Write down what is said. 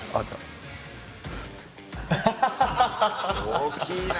大きいな！